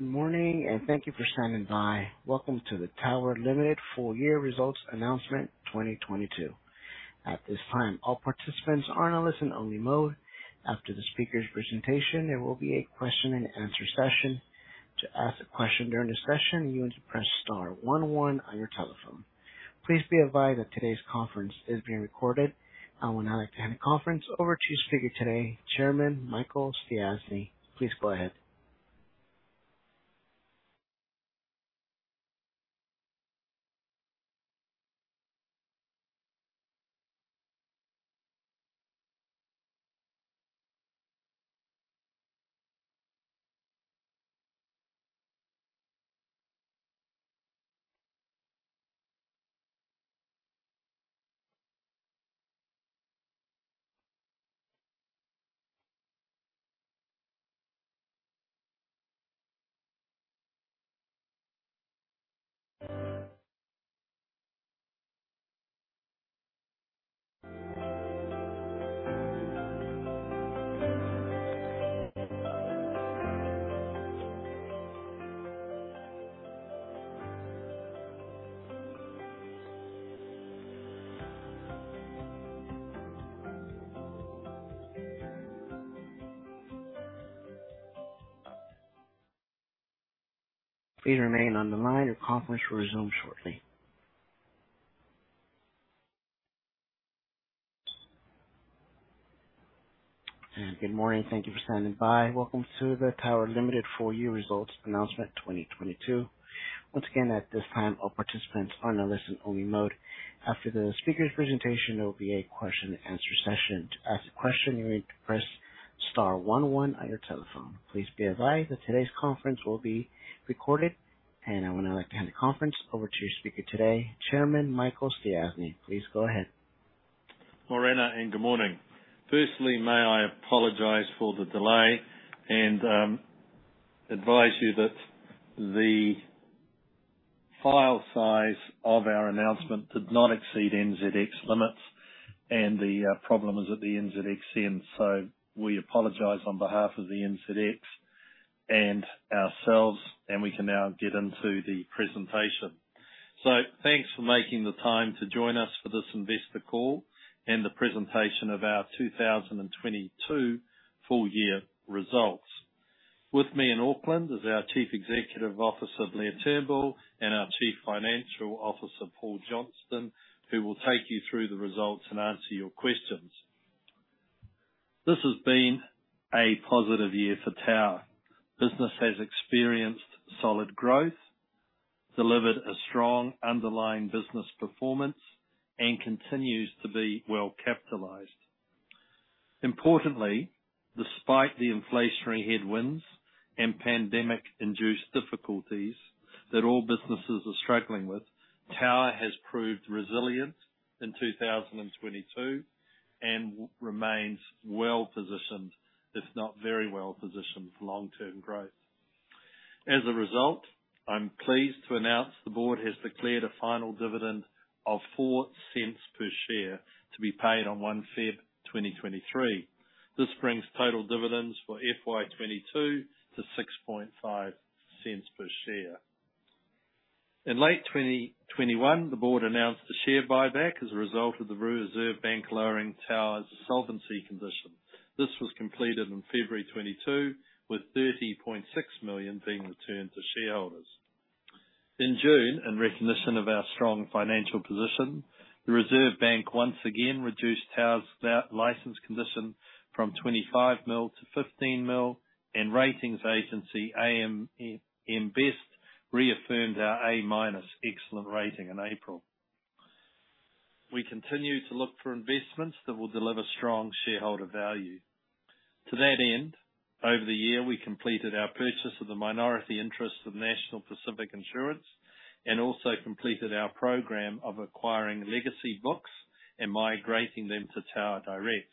Good morning. Thank you for standing by. Welcome to the Tower Limited full year results announcement 2022. At this time, all participants are in a listen only mode. After the speaker's presentation, there will be a question and answer session. To ask a question during the session, you need to press star one one on your telephone. Please be advised that today's conference is being recorded. I would now like to hand the conference over to your speaker today, Chairman Michael Stiassny. Please go ahead. Please remain on the line. Your conference will resume shortly. Good morning. Thank you for standing by. Welcome to the Tower Limited full year results announcement 2022. Once again, at this time all participants are in a listen only mode. After the speaker's presentation, there will be a question and answer session. To ask a question, you need to press star one one on your telephone. Please be advised that today's conference will be recorded. I would now like to hand the conference over to your speaker today, Chairman Michael Stiassny. Please go ahead. Mōrena, and good morning. Firstly, may I apologize for the delay and advise you that the file size of our announcement did not exceed NZX limits and the problem is at the NZX end. We apologize on behalf of the NZX and ourselves, and we can now get into the presentation. Thanks for making the time to join us for this investor call and the presentation of our 2022 full year results. With me in Auckland is our Chief Executive Officer, Blair Turnbull, and our Chief Financial Officer, Paul Johnston, who will take you through the results and answer your questions. This has been a positive year for Tower. Business has experienced solid growth, delivered a strong underlying business performance, and continues to be well capitalized. Importantly, despite the inflationary headwinds and pandemic-induced difficulties that all businesses are struggling with, Tower has proved resilient in 2022 and remains well positioned, if not very well positioned, for long-term growth. As a result, I'm pleased to announce the board has declared a final dividend of 0.04 per share to be paid on February 1, 2023. This brings total dividends for FY 2022 to 0.065 per share. In late 2021, the board announced a share buyback as a result of the Reserve Bank lowering Tower's solvency condition. This was completed in February 2022, with 30.6 million being returned to shareholders. In June, in recognition of our strong financial position, the Reserve Bank once again reduced Tower's license condition from 25 million to 15 million and ratings agency AM Best reaffirmed our A- excellent rating in April. We continue to look for investments that will deliver strong shareholder value. To that end, over the year, we completed our purchase of the minority interests of National Pacific Insurance and also completed our program of acquiring legacy books and migrating them to TowerDirect.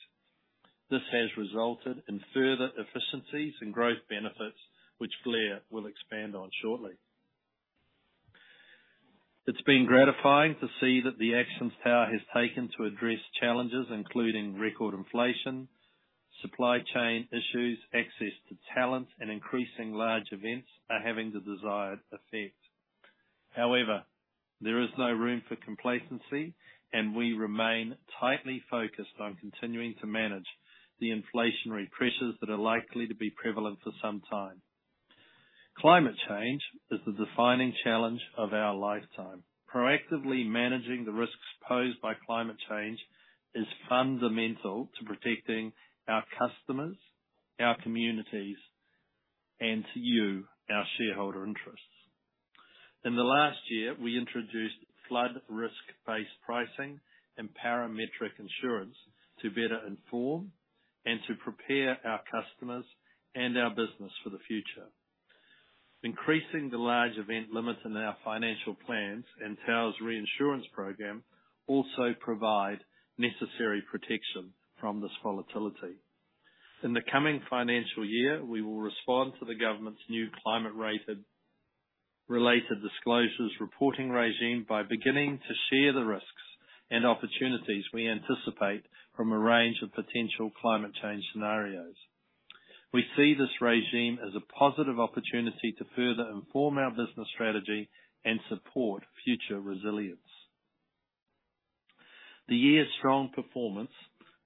This has resulted in further efficiencies and growth benefits, which Blair will expand on shortly. It's been gratifying to see that the actions Tower has taken to address challenges, including record inflation, supply chain issues, access to talent, and increasing large events, are having the desired effect. There is no room for complacency, and we remain tightly focused on continuing to manage the inflationary pressures that are likely to be prevalent for some time. Climate change is the defining challenge of our lifetime. Proactively managing the risks posed by climate change is fundamental to protecting our customers, our communities, and to you, our shareholder interests. In the last year, we introduced flood risk-based pricing and parametric insurance to better inform and to prepare our customers and our business for the future. Increasing the large event limits in our financial plans and Tower's reinsurance program also provide necessary protection from this volatility. In the coming financial year, we will respond to the government's new climate-related disclosures reporting regime by beginning to share the risks and opportunities we anticipate from a range of potential climate change scenarios. We see this regime as a positive opportunity to further inform our business strategy and support future resilience. The year's strong performance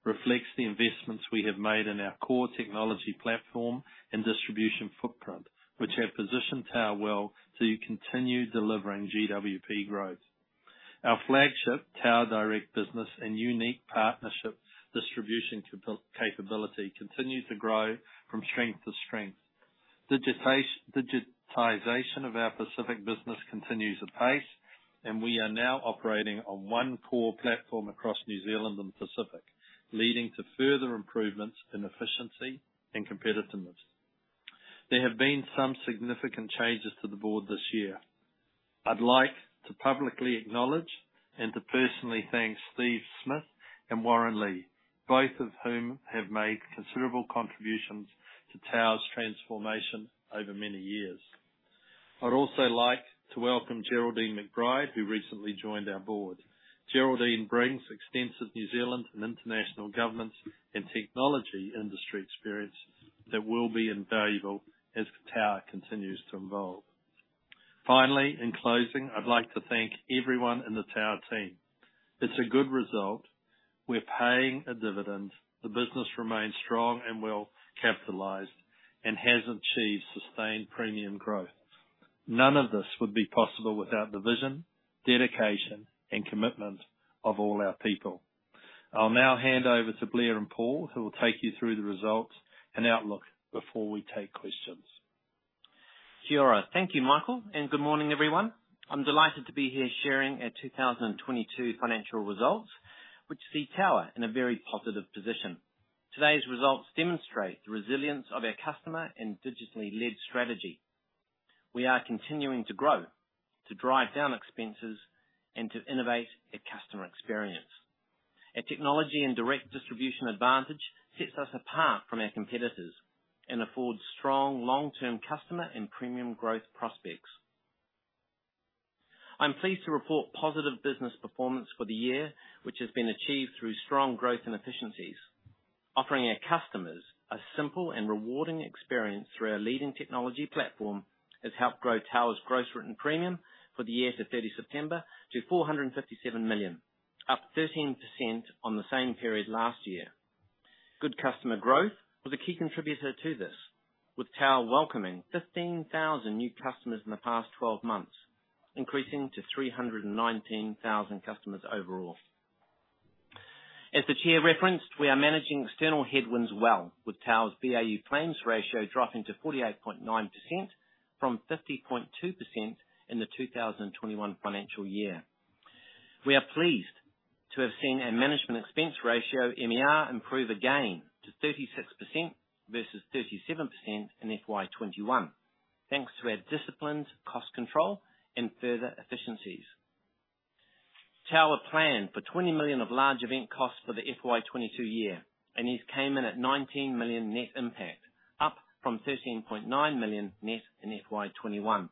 reflects the investments we have made in our core technology platform and distribution footprint, which have positioned Tower well to continue delivering GWP growth. Our flagship TowerDirect business and unique partnership distribution capability continue to grow from strength to strength. Digitization of our Pacific business continues apace, and we are now operating on one core platform across New Zealand and Pacific, leading to further improvements in efficiency and competitiveness. There have been some significant changes to the board this year. I'd like to publicly acknowledge and to personally thank Steve Smith and Warren Lee, both of whom have made considerable contributions to Tower's transformation over many years. I'd also like to welcome Geraldine McBride, who recently joined our board. Geraldine brings extensive New Zealand and international governments and technology industry experience that will be invaluable as Tower continues to evolve. Finally, in closing, I'd like to thank everyone in the Tower team. It's a good result. We're paying a dividend. The business remains strong and well-capitalized and has achieved sustained premium growth. None of this would be possible without the vision, dedication, and commitment of all our people. I'll now hand over to Blair and Paul, who will take you through the results and outlook before we take questions. Kia ora. Thank you, Michael, good morning, everyone. I'm delighted to be here sharing our 2022 financial results, which see Tower in a very positive position. Today's results demonstrate the resilience of our customer and digitally-led strategy. We are continuing to grow, to drive down expenses, and to innovate a customer experience. Our technology and direct distribution advantage sets us apart from our competitors and affords strong long-term customer and premium growth prospects. I'm pleased to report positive business performance for the year, which has been achieved through strong growth and efficiencies. Offering our customers a simple and rewarding experience through our leading technology platform has helped grow Tower's gross written premium for the year to September 30 to 457 million, up 13% on the same period last year. Good customer growth was a key contributor to this, with Tower welcoming 15,000 new customers in the past twelve months, increasing to 319,000 customers overall. As the chair referenced, we are managing external headwinds well, with Tower's BAU claims ratio dropping to 48.9% from 50.2% in the 2021 financial year. We are pleased to have seen our management expense ratio, MER, improve again to 36% versus 37% in FY 2021, thanks to our disciplined cost control and further efficiencies. Tower planned for 20 million of large event costs for the FY 2022 year, these came in at 19 million net impact, up from 13.9 million net in FY 2021.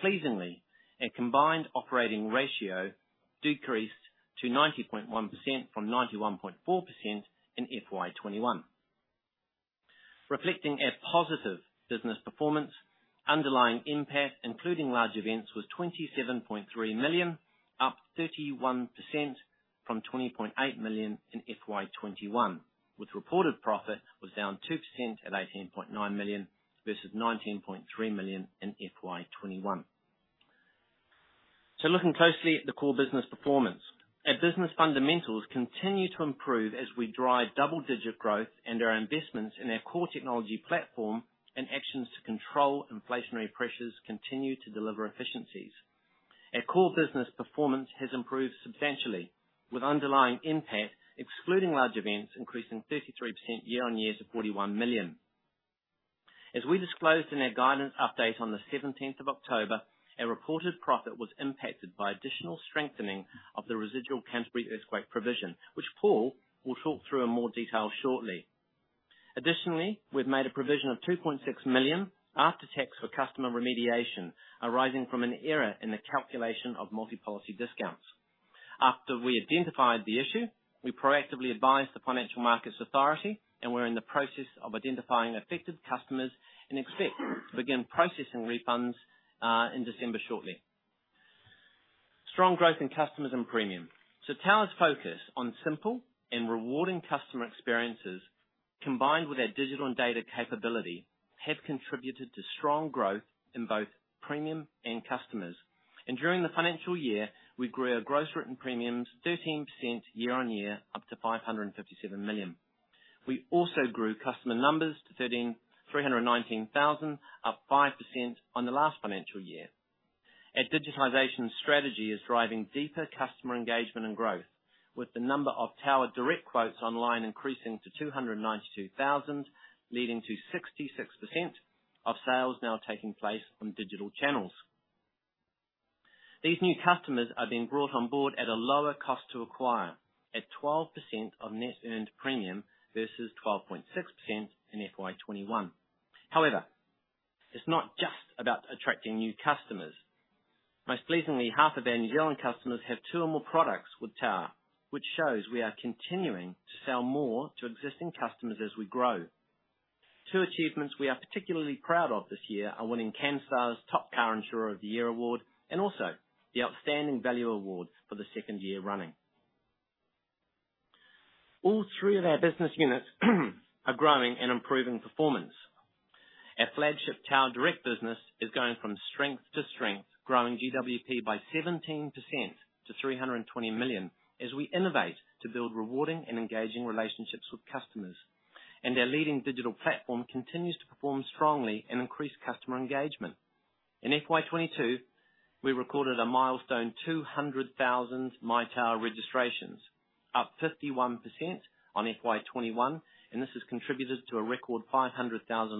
Pleasingly, our combined operating ratio decreased to 90.1% from 91.4% in FY 2021. Reflecting our positive business performance, underlying NPAT, including large events, was 27.3 million, up 31% from 20.8 million in FY 2021, with reported profit was down 2% at 18.9 million versus 19.3 million in FY 2021. Looking closely at the core business performance. Our business fundamentals continue to improve as we drive double-digit growth and our investments in our core technology platform and actions to control inflationary pressures continue to deliver efficiencies. Our core business performance has improved substantially, with underlying NPAT, excluding large events, increasing 33% year on year to 41 million. As we disclosed in our guidance update on October 17th, our reported profit was impacted by additional strengthening of the residual Canterbury earthquake provision, which Paul will talk through in more detail shortly. Additionally, we've made a provision of 2.6 million after tax for customer remediation arising from an error in the calculation of multi-policy discounts. After we identified the issue, we proactively advised the Financial Markets Authority. We're in the process of identifying affected customers and expect to begin processing refunds in December shortly. Strong growth in customers and premium. Tower's focus on simple and rewarding customer experiences, combined with our digital and data capability, have contributed to strong growth in both premium and customers. During the financial year, we grew our gross written premiums 13% year-on-year up to 557 million. We also grew customer numbers to 319,000, up 5% on the last financial year. Our digitization strategy is driving deeper customer engagement and growth, with the number of Tower Direct quotes online increasing to 292,000, leading to 66% of sales now taking place on digital channels. These new customers are being brought on board at a lower cost to acquire, at 12% of net earned premium versus 12.6% in FY 2021. It's not just about attracting new customers. Most pleasingly, half of our New Zealand customers have two or more products with Tower, which shows we are continuing to sell more to existing customers as we grow. Two achievements we are particularly proud of this year are winning Canstar's Top Car Insurer of the Year award and also the Outstanding Value award for the second year running. All three of our business units are growing and improving performance. Our flagship TowerDirect business is going from strength to strength, growing GWP by 17% to $320 million as we innovate to build rewarding and engaging relationships with customers. Our leading digital platform continues to perform strongly and increase customer engagement. In FY 2022, we recorded a milestone 200,000 MyTower registrations, up 51% on FY 2021, and this has contributed to a record 500,000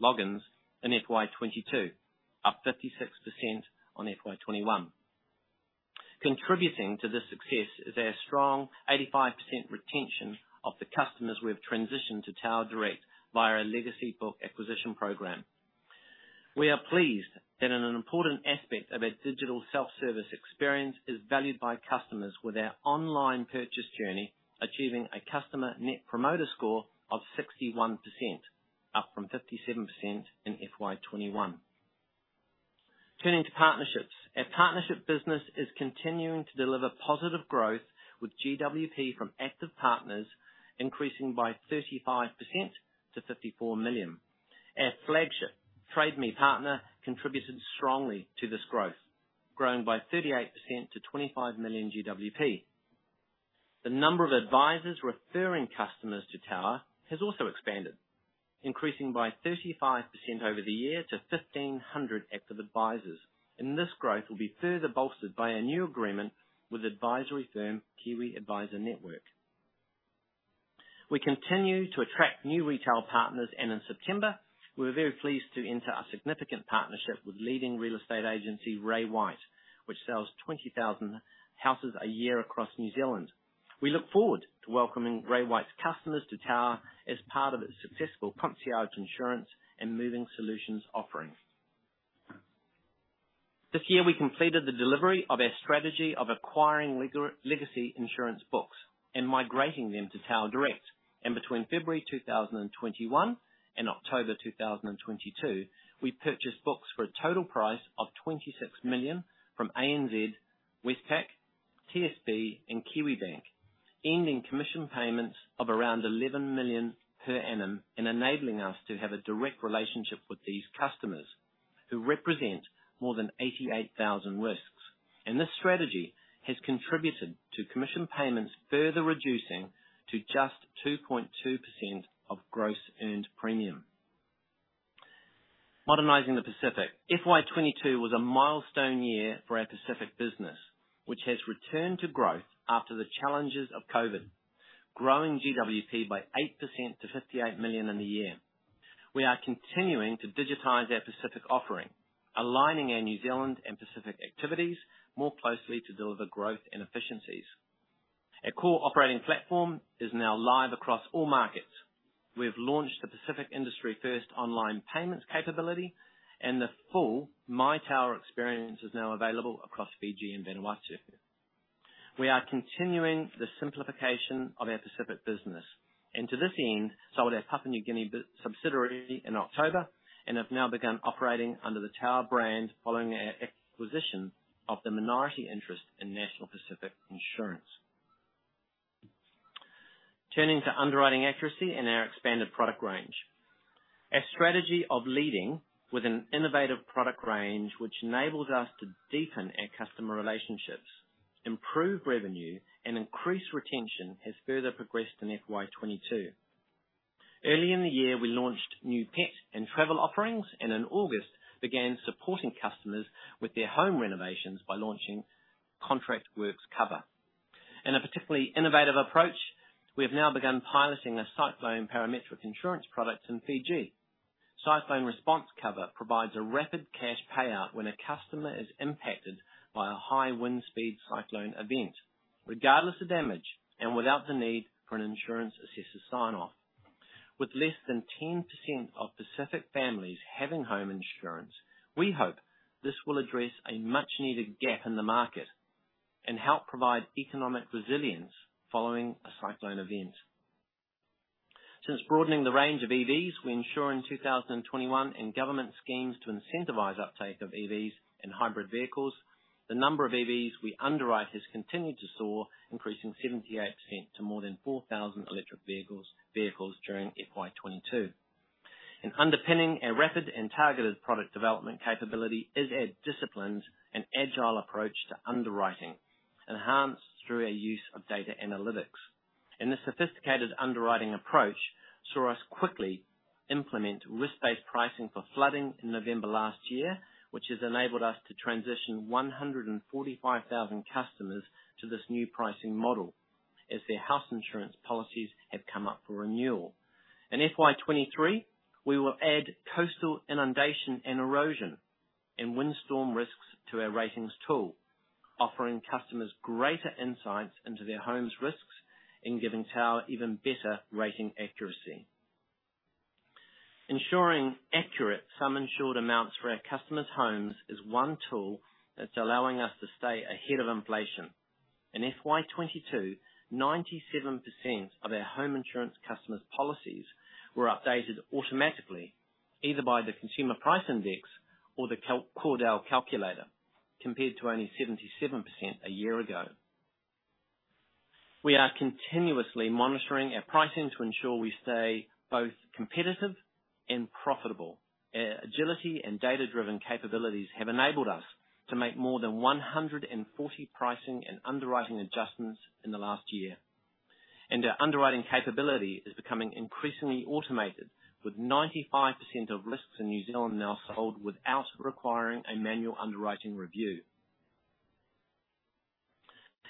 logins in FY 2022, up 56% on FY 2021. Contributing to this success is our strong 85% retention of the customers we have transitioned to TowerDirect via a legacy book acquisition program. We are pleased that an important aspect of our digital self-service experience is valued by customers with our online purchase journey, achieving a customer net promoter score of 61%, up from 57% in FY 2021. Turning to partnerships. Our partnership business is continuing to deliver positive growth with GWP from active partners increasing by 35% to 54 million. Our flagship Trade Me partner contributed strongly to this growth, growing by 38% to 25 million GWP. The number of advisors referring customers to Tower has also expanded, increasing by 35% over the year to 1,500 active advisors. This growth will be further bolstered by a new agreement with advisory firm Kiwi Adviser Network. We continue to attract new retail partners, and in September, we were very pleased to enter a significant partnership with leading real estate agency Ray White, which sells 20,000 houses a year across New Zealand. We look forward to welcoming Ray White's customers to Tower as part of its successful concierge insurance and moving solutions offerings. This year, we completed the delivery of our strategy of acquiring legacy insurance books and migrating them to TowerDirect. Between February 2021 and October 2022, we purchased books for a total price of 26 million from ANZ, Westpac, TSB, and Kiwibank, ending commission payments of around 11 million per annum and enabling us to have a direct relationship with these customers, who represent more than 88,000 risks. This strategy has contributed to commission payments further reducing to just 2.2% of gross earned premium. Modernizing the Pacific. FY 20 22 was a milestone year for our Pacific business, which has returned to growth after the challenges of COVID, growing GWP by 8% to 58 million in the year. We are continuing to digitize our Pacific offering, aligning our New Zealand and Pacific activities more closely to deliver growth and efficiencies. Our core operating platform is now live across all markets. We have launched the Pacific Industry First online payments capability, and the full MyTower experience is now available across Fiji and Vanuatu. We are continuing the simplification of our Pacific business and to this end, sold our Papua New Guinea b-subsidiary in October and have now begun operating under the Tower brand following our acquisition of the minority interest in National Pacific Insurance. Turning to underwriting accuracy and our expanded product range. Our strategy of leading with an innovative product range, which enables us to deepen our customer relationships, improve revenue, and increase retention, has further progressed in FY 2022. Early in the year, we launched new pet and travel offerings and in August began supporting customers with their home renovations by launching Contract Works cover. In a particularly innovative approach, we have now begun piloting a cyclone parametric insurance product in Fiji. Cyclone Response Cover provides a rapid cash payout when a customer is impacted by a high wind speed cyclone event, regardless of damage and without the need for an insurance assessor sign-off. With less than 10% of Pacific families having home insurance, we hope this will address a much-needed gap in the market and help provide economic resilience following a cyclone event. Since broadening the range of EVs, we insure in 2021 and government schemes to incentivize uptake of EVs and hybrid vehicles, the number of EVs we underwrite has continued to soar, increasing 78% to more than 4,000 electric vehicles during FY 2022. Underpinning our rapid and targeted product development capability is a disciplined and agile approach to underwriting, enhanced through our use of data analytics. This sophisticated underwriting approach saw us quickly implement risk-based pricing for flooding in November last year, which has enabled us to transition 145,000 customers to this new pricing model as their house insurance policies have come up for renewal. In FY 2023, we will add coastal inundation and erosion and windstorm risks to our ratings tool, offering customers greater insights into their home's risks and giving Tower even better rating accuracy. Ensuring accurate sum insured amounts for our customers' homes is one tool that's allowing us to stay ahead of inflation. In FY 2022, 97% of our home insurance customers' policies were updated automatically, either by the Consumer Price Index or the Cordell Calculator, compared to only 77% a year ago. We are continuously monitoring our pricing to ensure we stay both competitive and profitable. Agility and data-driven capabilities have enabled us to make more than 140 pricing and underwriting adjustments in the last year. Our underwriting capability is becoming increasingly automated, with 95% of risks in New Zealand now sold without requiring a manual underwriting review.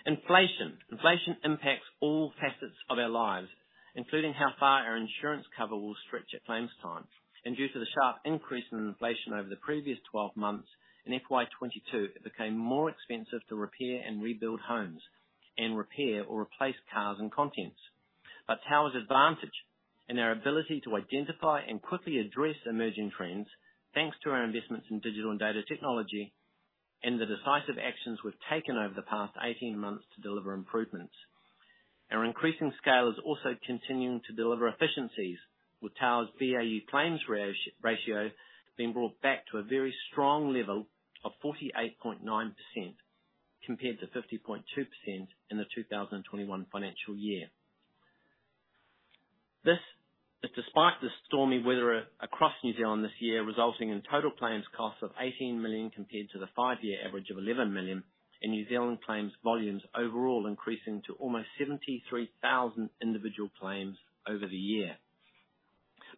Inflation impacts all facets of our lives, including how far our insurance cover will stretch at claims time. Due to the sharp increase in inflation over the previous 12 months, in FY 2022, it became more expensive to repair and rebuild homes and repair or replace cars and contents. Tower's advantage in our ability to identify and quickly address emerging trends, thanks to our investments in digital and data technology and the decisive actions we've taken over the past 18 months to deliver improvements. Our increasing scale is also continuing to deliver efficiencies with Tower's BAU claims ratio being brought back to a very strong level of 48.9% compared to 50.2% in the 2021 financial year. This is despite the stormy weather across New Zealand this year, resulting in total claims costs of 18 million compared to the five-year average of 11 million, and New Zealand claims volumes overall increasing to almost 73,000 individual claims over the year.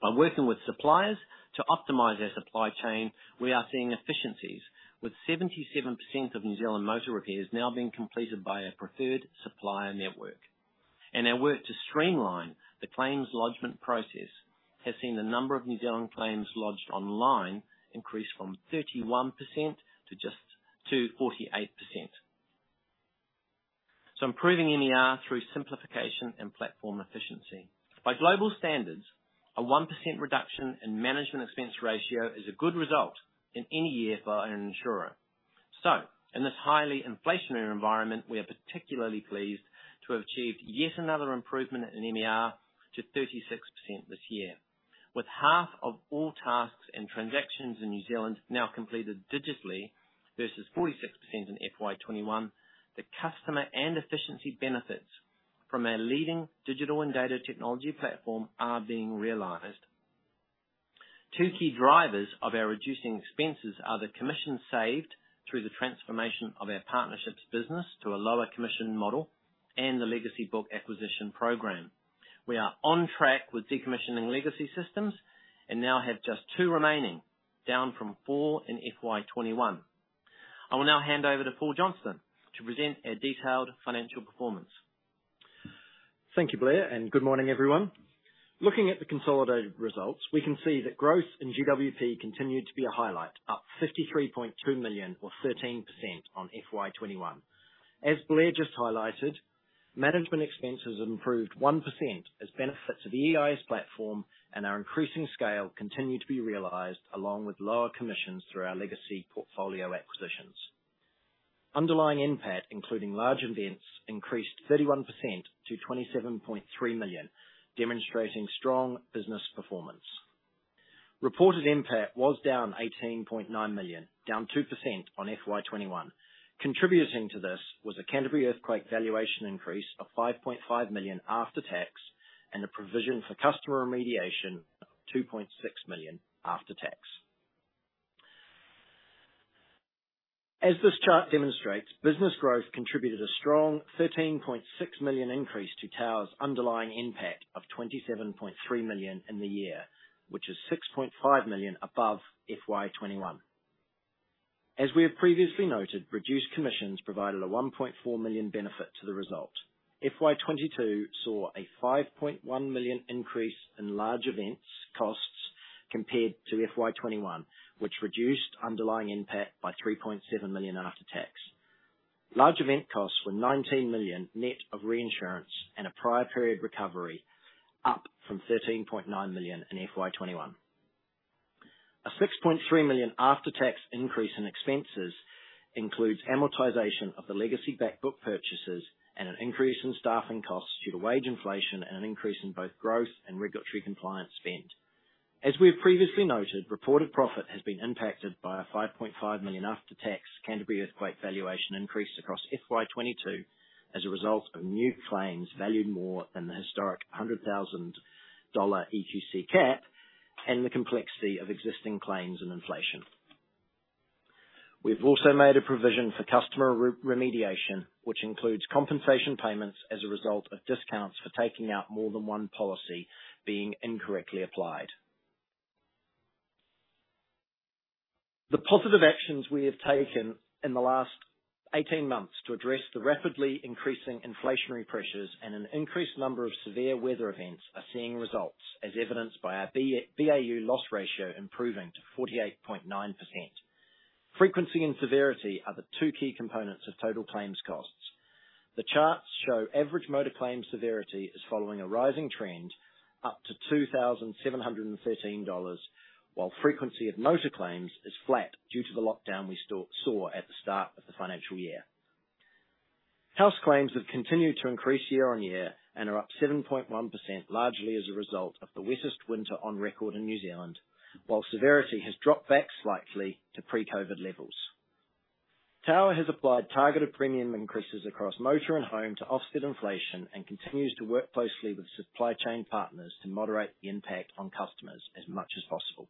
By working with suppliers to optimize our supply chain, we are seeing efficiencies with 77% of New Zealand motor repairs now being completed by our preferred supplier network. Our work to streamline the claims lodgment process has seen the number of New Zealand claims lodged online increase from 31% to 48%. Improving MER through simplification and platform efficiency. By global standards, a 1% reduction in management expense ratio is a good result in any year for an insurer. In this highly inflationary environment, we are particularly pleased to have achieved yet another improvement in MER to 36% this year. With half of all tasks and transactions in New Zealand now completed digitally, versus 46% in FY 2021, the customer and efficiency benefits from our leading digital and data technology platform are being realized. Two key drivers of our reducing expenses are the commission saved through the transformation of our partnerships business to a lower commission model and the legacy book acquisition program. We are on track with decommissioning legacy systems and now have just two remaining, down from four in FY 2021. I will now hand over to Paul Johnston to present our detailed financial performance. Thank you, Blair. Good morning, everyone. Looking at the consolidated results, we can see that growth in GWP continued to be a highlight, up 53.2 million or 13% on FY 2021. As Blair just highlighted, management expenses improved 1% as benefits of the EIS platform and our increasing scale continued to be realized along with lower commissions through our legacy portfolio acquisitions. Underlying NPAT, including large events, increased 31% to 27.3 million, demonstrating strong business performance. Reported NPAT was down 18.9 million, down 2% on FY 2021. Contributing to this was a Canterbury Earthquake valuation increase of 5.5 million after tax, and a provision for customer remediation of 2.6 million after tax. As this chart demonstrates, business growth contributed a strong 13.6 million increase to Tower's underlying NPAT of 27.3 million in the year, which is 6.5 million above FY 2021. As we have previously noted, reduced commissions provided a 1.4 million benefit to the result. FY 2022 saw a 5.1 million increase in large events costs compared to FY 2021, which reduced underlying NPAT by 3.7 million after tax. Large event costs were 19 million net of reinsurance and a prior period recovery, up from 13.9 million in FY 2021. A 6.3 million after-tax increase in expenses includes amortization of the legacy back book purchases and an increase in staffing costs due to wage inflation and an increase in both growth and regulatory compliance spend. As we have previously noted, reported profit has been impacted by a $5.5 million after-tax Canterbury Earthquake valuation increase across FY 2022 as a result of new claims valued more than the historic $100,000 EQC cap and the complexity of existing claims and inflation. We've also made a provision for customer remediation, which includes compensation payments as a result of discounts for taking out more than one policy being incorrectly applied. The positive actions we have taken in the last 18 months to address the rapidly increasing inflationary pressures and an increased number of severe weather events are seeing results, as evidenced by our B-BAU loss ratio improving to 48.9%. Frequency and severity are the two key components of total claims costs. The charts show average motor claims severity is following a rising trend up to 2,713 dollars, while frequency of motor claims is flat due to the lockdown we still saw at the start of the financial year. House claims have continued to increase year-on-year and are up 7.1%, largely as a result of the wettest winter on record in New Zealand. While severity has dropped back slightly to pre-COVID levels. Tower has applied targeted premium increases across motor and home to offset inflation and continues to work closely with supply chain partners to moderate the impact on customers as much as possible.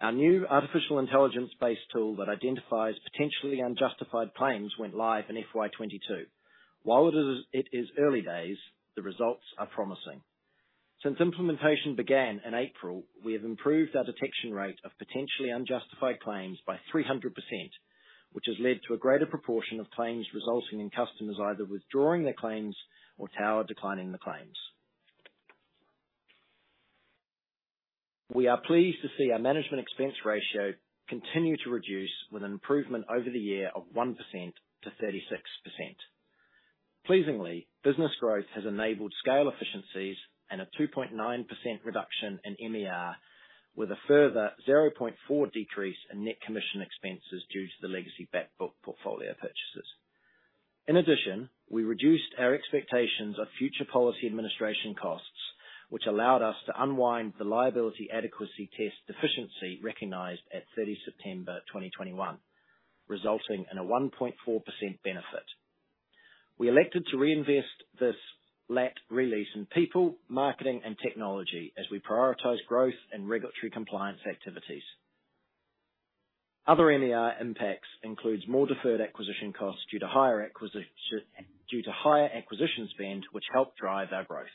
Our new artificial intelligence-based tool that identifies potentially unjustified claims went live in FY 2022. While it is early days, the results are promising. Since implementation began in April, we have improved our detection rate of potentially unjustified claims by 300%, which has led to a greater proportion of claims resulting in customers either withdrawing their claims or Tower declining the claims. We are pleased to see our management expense ratio continue to reduce, with an improvement over the year of 1% to 36%. Pleasingly, business growth has enabled scale efficiencies and a 2.9% reduction in MER, with a further 0.4 decrease in net commission expenses due to the legacy back book portfolio purchases. In addition, we reduced our expectations of future policy administration costs, which allowed us to unwind the liability adequacy test deficiency recognized at 30 September 2021, resulting in a 1.4% benefit. We elected to reinvest this LAT release in people, marketing, and technology as we prioritize growth and regulatory compliance activities. Other MER impacts includes more deferred acquisition costs due to higher acquisition spend, which helped drive our growth.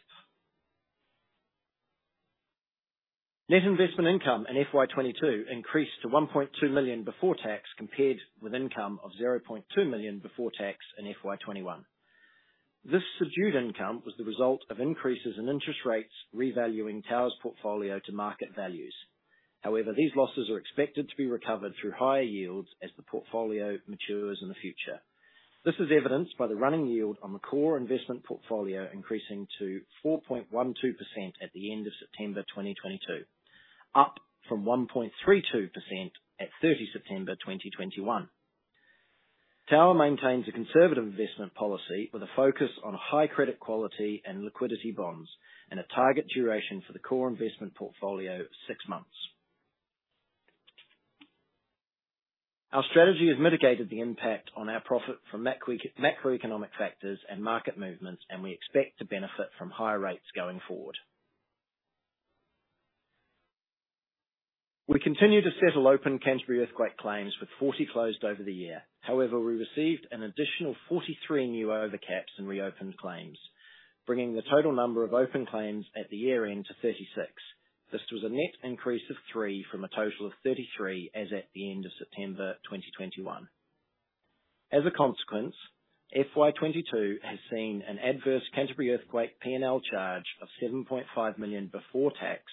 Net investment income in FY 2022 increased to 1.2 million before tax, compared with income of 0.2 million before tax in FY 2021. This subdued income was the result of increases in interest rates revaluing Tower's portfolio to market values. These losses are expected to be recovered through higher yields as the portfolio matures in the future. This is evidenced by the running yield on the core investment portfolio increasing to 4.12% at the end of September 2022, up from 1.32% at September 30 2021. Tower maintains a conservative investment policy with a focus on high credit quality and liquidity bonds, and a target duration for the core investment portfolio of six months. Our strategy has mitigated the impact on our profit from macroeconomic factors and market movements, and we expect to benefit from higher rates going forward. We continue to settle open Canterbury earthquake claims with 40 closed over the year. However, we received an additional 43 new overcaps in reopened claims, bringing the total number of open claims at the year-end to 36. This was a net increase of three from a total of 33 as at the end of September 2021. As a consequence, FY 2022 has seen an adverse Canterbury earthquake P&L charge of 7.5 million before tax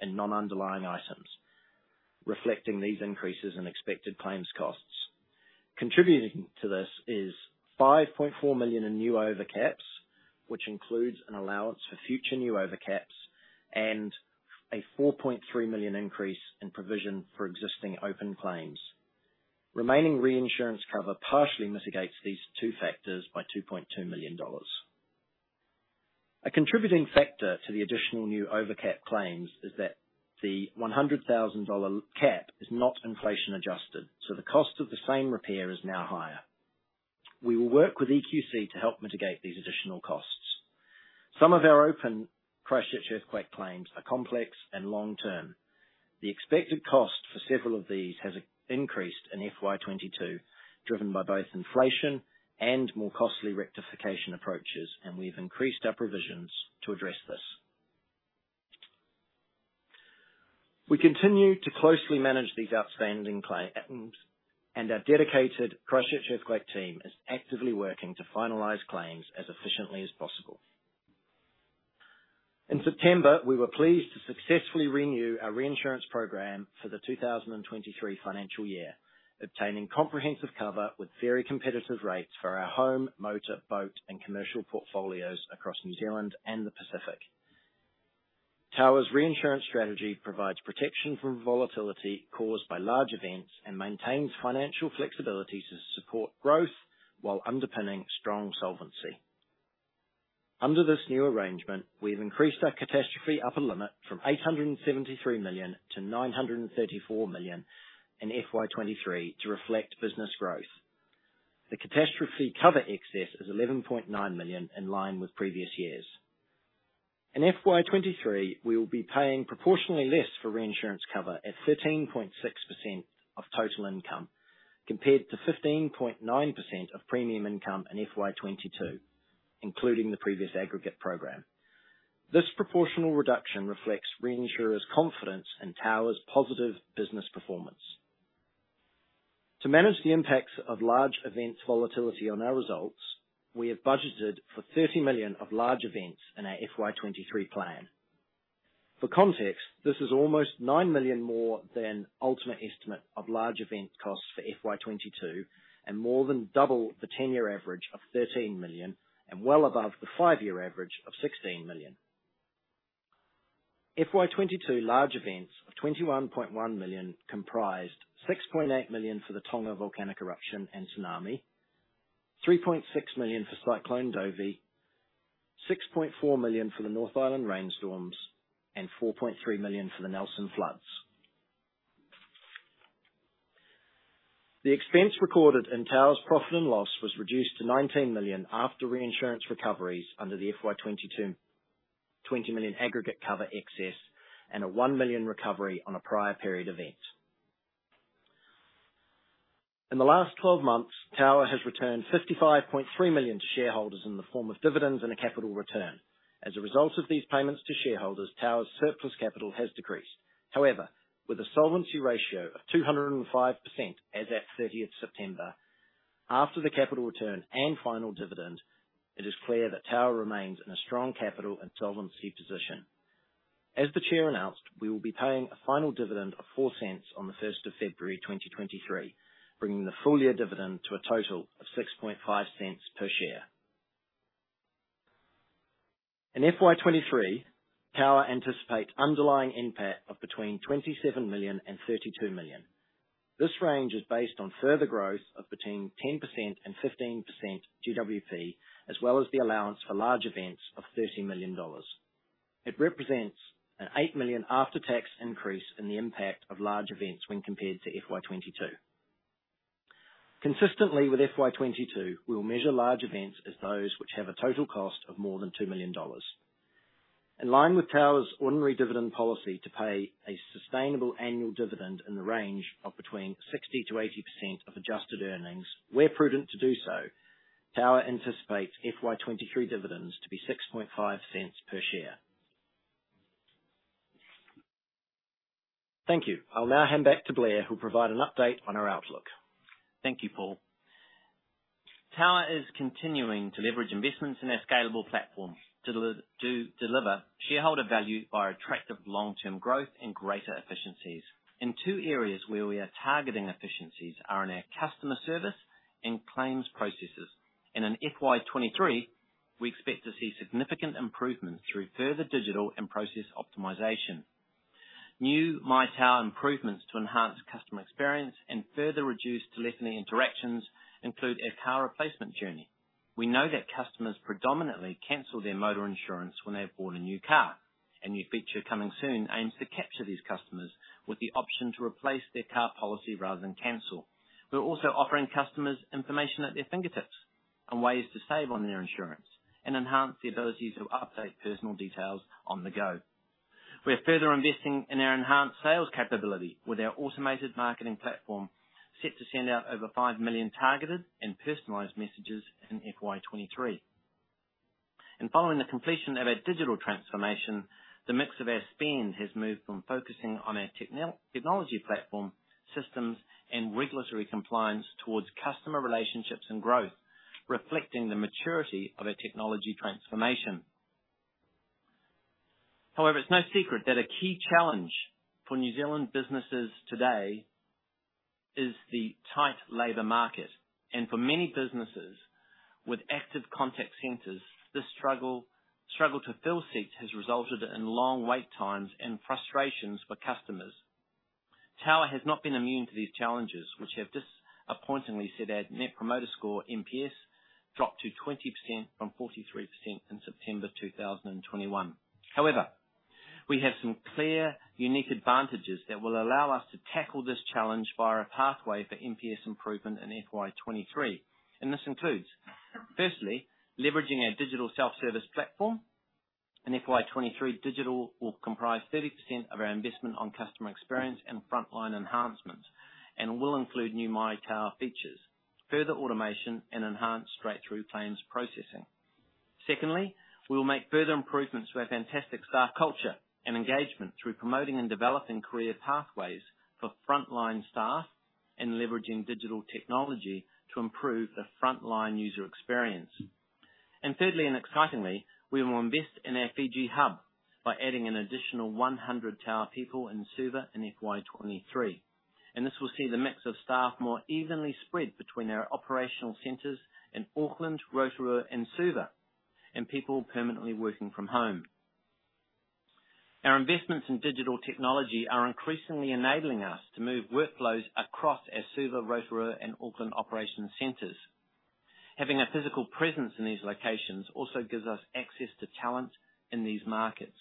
and non-underlying items, reflecting these increases in expected claims costs. Contributing to this is 5.4 million in new overcaps, which includes an allowance for future new overcaps and a 4.3 million increase in provision for existing open claims. Remaining reinsurance cover partially mitigates these two factors by 2.2 million dollars. A contributing factor to the additional new overcap claims is that the 100,000 dollar cap is not inflation adjusted, so the cost of the same repair is now higher. We will work with EQC to help mitigate these additional costs. Some of our open Christchurch earthquake claims are complex and long-term. The expected cost for several of these has increased in FY 2022, driven by both inflation and more costly rectification approaches, and we've increased our provisions to address this. We continue to closely manage these outstanding claims, and our dedicated Christchurch earthquake team is actively working to finalize claims as efficiently as possible. In September, we were pleased to successfully renew our reinsurance program for the 2023 financial year, obtaining comprehensive cover with very competitive rates for our home, motor, boat, and commercial portfolios across New Zealand and the Pacific. Tower's reinsurance strategy provides protection from volatility caused by large events and maintains financial flexibility to support growth while underpinning strong solvency. Under this new arrangement, we've increased our catastrophe upper limit from 873 million to 934 million in FY 2023 to reflect business growth. The catastrophe cover excess is 11.9 million, in line with previous years. In FY 2023, we will be paying proportionally less for reinsurance cover at 13.6% of total income, compared to 15.9% of premium income in FY 2022, including the previous aggregate program. This proportional reduction reflects reinsurers' confidence in Tower's positive business performance. To manage the impacts of large events volatility on our results, we have budgeted for 30 million of large events in our FY 2023 plan. For context, this is almost 9 million more than ultimate estimate of large event costs for FY 2022 and more than double the 10-year average of 13 million and well above the 5-year average of 16 million. FY 2022 large events of 21.1 million comprised 6.8 million for the Tonga volcanic eruption and tsunami, 3.6 million for Cyclone Dovi, 6.4 million for the North Island rainstorms, and 4.3 million for the Nelson floods. The expense recorded in Tower's profit and loss was reduced to 19 million after reinsurance recoveries under the FY 2022 20 million aggregate cover excess and a 1 million recovery on a prior period event. In the last 12 months, Tower has returned 55.3 million to shareholders in the form of dividends and a capital return. As a result of these payments to shareholders, Tower's surplus capital has decreased. However, with a solvency ratio of 205% as at September 30, after the capital return and final dividend, it is clear that Tower remains in a strong capital and solvency position. As the chair announced, we will be paying a final dividend of 0.04 on February 1, 2023, bringing the full-year dividend to a total of 0.065 per share. In FY 2023, Tower anticipates underlying NPAT of between 27 million and 32 million. This range is based on further growth of between 10% and 15% GWP, as well as the allowance for large events of 30 million dollars. It represents an 8 million after-tax increase in the impact of large events when compared to FY 2022. Consistently with FY 2022, we will measure large events as those which have a total cost of more than 2 million dollars. In line with Tower's ordinary dividend policy to pay a sustainable annual dividend in the range of between 60%-80% of adjusted earnings, where prudent to do so, Tower anticipates FY 2023 dividends to be 0.065 per share. Thank you. I'll now hand back to Blair, who'll provide an update on our outlook. Thank you, Paul. Tower is continuing to leverage investments in our scalable platform to deliver shareholder value via attractive long-term growth and greater efficiencies. Two areas where we are targeting efficiencies are in our customer service and claims processes. In FY 2023, we expect to see significant improvement through further digital and process optimization. New MyTower improvements to enhance customer experience and further reduce telephony interactions include a car replacement journey. We know that customers predominantly cancel their motor insurance when they have bought a new car. A new feature coming soon aims to capture these customers with the option to replace their car policy rather than cancel. We're also offering customers information at their fingertips on ways to save on their insurance and enhance the ability to update personal details on the go. We are further investing in our enhanced sales capability with our automated marketing platform set to send out over 5 million targeted and personalized messages in FY 2023. Following the completion of our digital transformation, the mix of our spend has moved from focusing on our technology platform systems and regulatory compliance towards customer relationships and growth, reflecting the maturity of our technology transformation. For many businesses with active contact centers, this struggle to fill seats has resulted in long wait times and frustrations for customers. Tower has not been immune to these challenges, which have disappointingly seen our Net Promoter Score, NPS, drop to 20% from 43% in September 2021. However, we have some clear, unique advantages that will allow us to tackle this challenge via a pathway for NPS improvement in FY 2023. This includes, firstly, leveraging our digital self-service platform. In FY 2023, digital will comprise 30% of our investment on customer experience and frontline enhancements and will include new MyTower features, further automation, and enhanced straight-through claims processing. Secondly, we will make further improvements to our fantastic staff culture and engagement through promoting and developing career pathways for frontline staff and leveraging digital technology to improve the frontline user experience. Thirdly, and excitingly, we will invest in our Fiji hub by adding an additional 100 Tower people in Suva in FY 2023. This will see the mix of staff more evenly spread between our operational centers in Auckland, Rotorua, and Suva, and people permanently working from home. Our investments in digital technology are increasingly enabling us to move workflows across our Suva, Rotorua, and Auckland operations centers. Having a physical presence in these locations also gives us access to talent in these markets.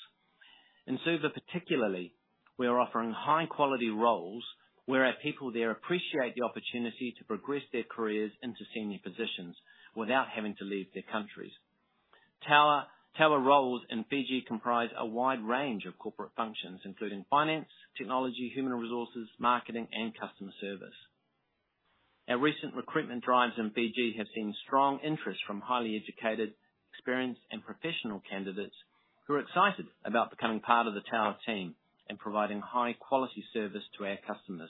In Suva particularly, we are offering high-quality roles where our people there appreciate the opportunity to progress their careers into senior positions without having to leave their countries. Tower roles in Fiji comprise a wide range of corporate functions, including finance, technology, human resources, marketing, and customer service. Our recent recruitment drives in Fiji have seen strong interest from highly educated, experienced, and professional candidates who are excited about becoming part of the Tower team and providing high-quality service to our customers.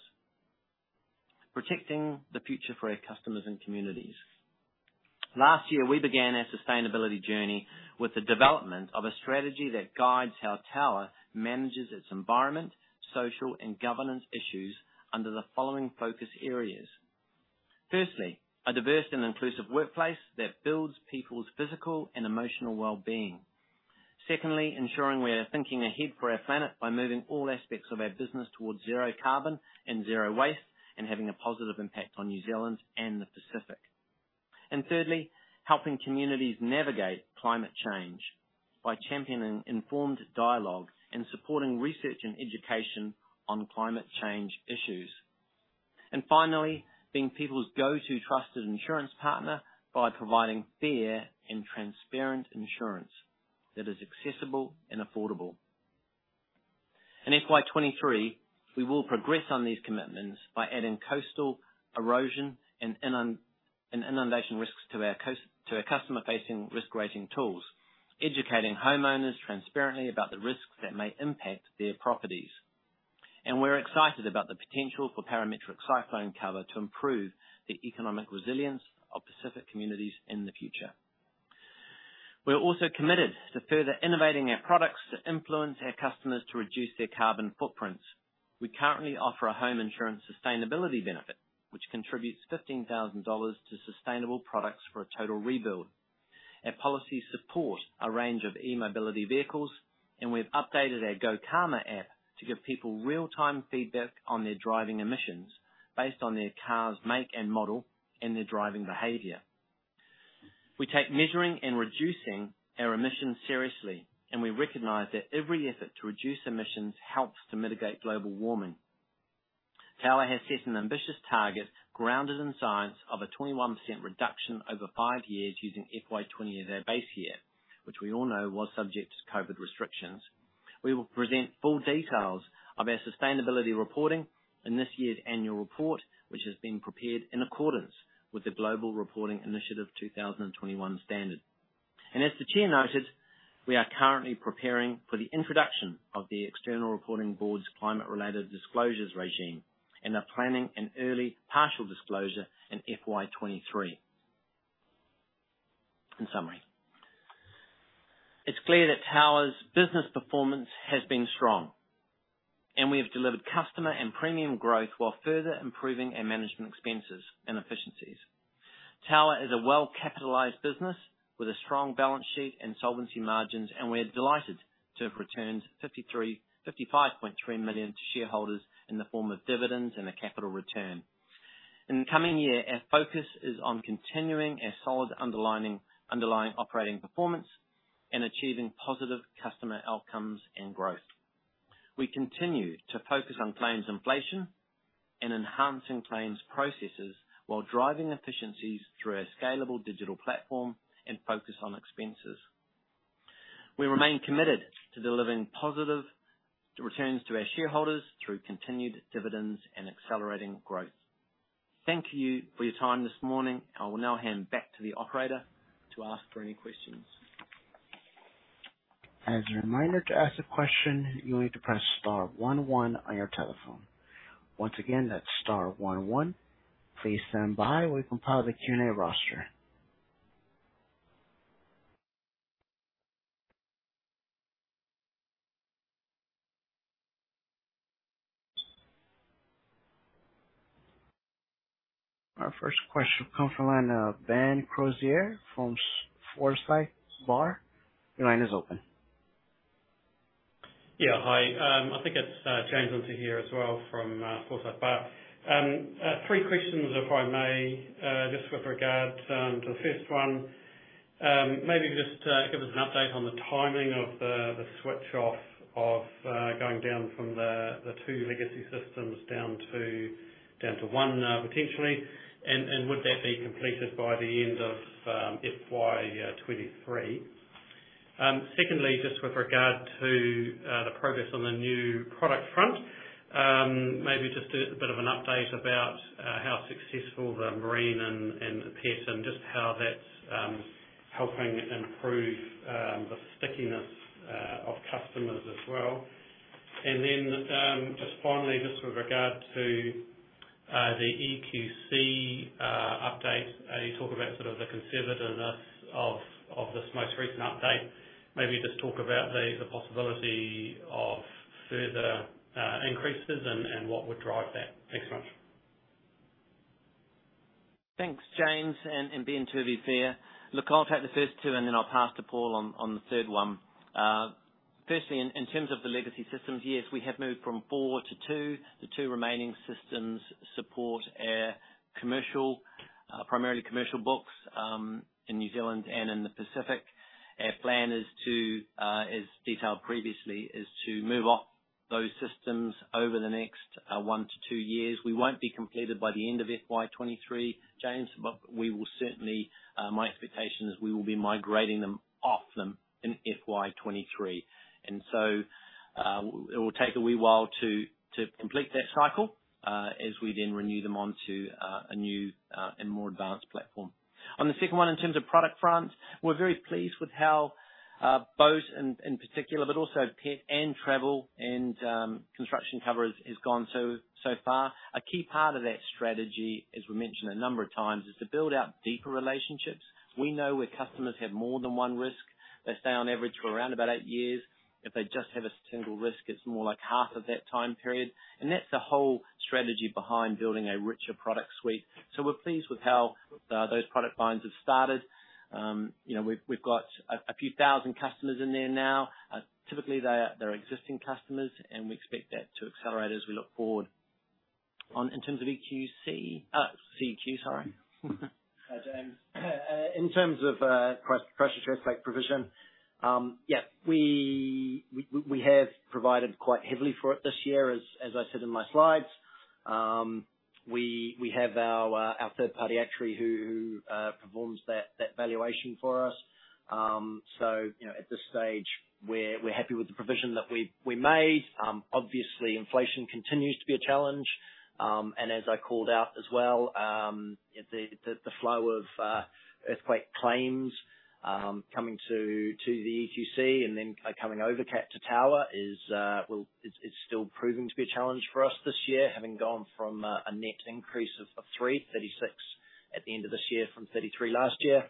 Protecting the future for our customers and communities. Last year, we began our sustainability journey with the development of a strategy that guides how Tower manages its environment, social, and governance issues under the following focus areas. Firstly, a diverse and inclusive workplace that builds people's physical and emotional well-being. Secondly, ensuring we are thinking ahead for our planet by moving all aspects of our business towards zero carbon and zero waste and having a positive impact on New Zealand and the Pacific. Thirdly, helping communities navigate climate change by championing informed dialogue and supporting research and education on climate change issues. Finally, being people's go-to trusted insurance partner by providing fair and transparent insurance that is accessible and affordable. In FY 2023, we will progress on these commitments by adding coastal erosion and inundation risks to our customer-facing risk rating tools, educating homeowners transparently about the risks that may impact their properties. We're excited about the potential for parametric cyclone cover to improve the economic resilience of Pacific communities in the future. We are also committed to further innovating our products to influence our customers to reduce their carbon footprints. We currently offer a home insurance sustainability benefit, which contributes 15,000 dollars to sustainable products for a total rebuild. Our policies support a range of e-mobility vehicles, and we've updated our GoCarma app to give people real-time feedback on their driving emissions based on their car's make and model and their driving behavior. We take measuring and reducing our emissions seriously, and we recognize that every effort to reduce emissions helps to mitigate global warming. Tower has set an ambitious target grounded in science of a 21% reduction over five years using FY 2020 as our base year, which we all know was subject to COVID restrictions. We will present full details of our sustainability reporting in this year's annual report, which has been prepared in accordance with the Global Reporting Initiative 2021 standard. As the chair noted, we are currently preparing for the introduction of the External Reporting Board's climate-related disclosures regime and are planning an early partial disclosure in FY 2023. In summary, it's clear that Tower's business performance has been strong, and we have delivered customer and premium growth while further improving our management expenses and efficiencies. Tower is a well-capitalized business with a strong balance sheet and solvency margins. We're delighted to have returned 55.3 million to shareholders in the form of dividends and a capital return. In the coming year, our focus is on continuing our solid underlying operating performance and achieving positive customer outcomes and growth. We continue to focus on claims inflation and enhancing claims processes while driving efficiencies through our scalable digital platform and focus on expenses. We remain committed to delivering positive returns to our shareholders through continued dividends and accelerating growth. Thank you for your time this morning. I will now hand back to the operator to ask for any questions. As a reminder, to ask a question, you'll need to press star one one on your telephone. Once again, that's star one one. Please stand by while we compile the Q&A roster. Our first question will come from the line of Ben Crozier from Forsyth Barr. Your line is open. Hi. I think it's James Lindsay here as well from Forsyth Barr. Three questions if I may. Just with regards to the first one, maybe just give us an update on the timing of the switch off of going down from the two legacy systems down to one, potentially, and would that be completed by the end of FY 2023? Secondly, just with regard to the progress on the new product front, maybe just a bit of an update about how successful the Marine and the pet, and just how that's helping improve the stickiness of customers as well. Just finally, just with regard to the EQC update, you talk about sort of the conservativeness of this most recent update. Maybe just talk about the possibility of further increases and what would drive that. Thanks so much. Thanks, James, and being to be fair. Look, I'll take the first two, and then I'll pass to Paul on the third one. Firstly, in terms of the legacy systems, yes, we have moved from four to two. The two remaining systems support our commercial, primarily commercial books, in New Zealand and in the Pacific. Our plan is to, as detailed previously, is to move off those systems over the next one to two years. We won't be completed by the end of FY 2023, James, but we will certainly, my expectation is we will be migrating them off them in FY 2023. It will take a wee while to complete that cycle, as we then renew them onto a new and more advanced platform. On the second one, in terms of product front, we're very pleased with how boat in particular, but also pet and travel and construction cover has gone so far. A key part of that strategy, as we mentioned a number of times, is to build out deeper relationships. We know where customers have more than one risk, they stay on average for around about eight years. If they just have a single risk, it's more like half of that time period. That's the whole strategy behind building a richer product suite. We're pleased with how those product lines have started. You know, we've got a few thousand customers in there now. Typically they're existing customers, and we expect that to accelerate as we look forward. In terms of EQC, CQ, sorry. James, in terms of press-pressure earthquake provision, we have provided quite heavily for it this year, as I said in my slides. We have our third party actuary who performs that valuation for us. You know, at this stage we're happy with the provision that we made. Obviously inflation continues to be a challenge. As I called out as well, the flow of earthquake claims coming to the EQC and then coming over to Tower is, well, it's still proving to be a challenge for us this year, having gone from a net increase of 336 at the end of this year from 33 last year.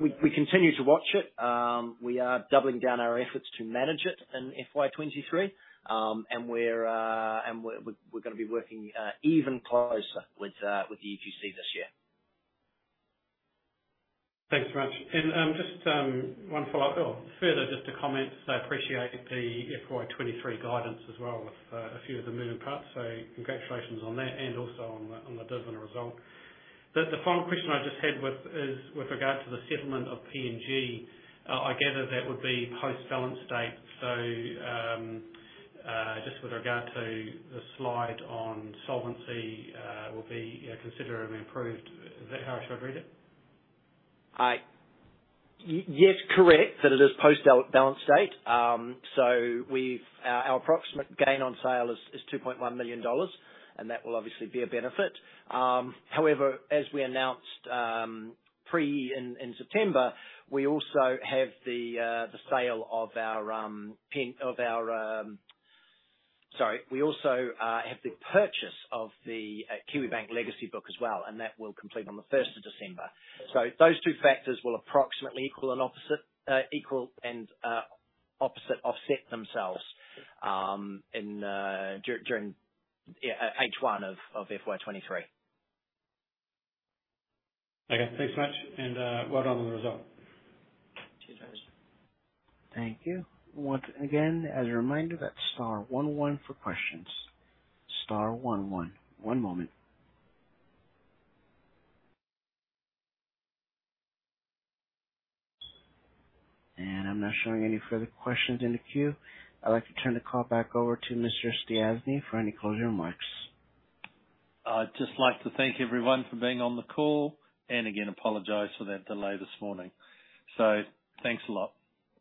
We continue to watch it. We are doubling down our efforts to manage it in FY 2023. We're gonna be working even closer with the EQC this year. Thanks very much. Just one follow-up. Further just to comment, appreciate the FY 2023 guidance as well with a few of the moving parts, congratulations on that and also on the div and the result. The final question I just had with regards to the settlement of PNG. I gather that would be post-balance date. Just with regard to the slide on solvency, will be, you know, considerably improved. Is that how I should read it? Yes, correct, that it is post balance date. Our approximate gain on sale is 2.1 million dollars, and that will obviously be a benefit. However, as we announced pre in September, we also have the purchase of the Kiwibank legacy book as well, and that will complete on the 1st of December. Those two factors will approximately equal and opposite offset themselves during H1 of FY 2023. Okay, thanks so much, and, well done on the result. Cheers, James. Thank you. Once again, as a reminder, that's star one one for questions. Star one one. One moment. I'm not showing any further questions in the queue. I'd like to turn the call back over to Mr. Stiassny for any closing remarks. I'd just like to thank everyone for being on the call, and again, apologize for that delay this morning. Thanks a lot.